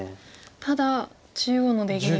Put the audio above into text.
ただ中央の出切りが。